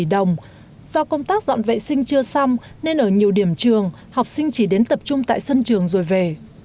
do công tác dọn vệ sinh chưa xong nên ở nhiều điểm trường học sinh chỉ đến tập trung tại sân trường rồi về